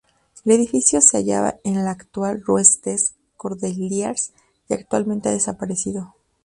El edificio se hallaba en la actual rue des Cordeliers y actualmente ha desaparecido.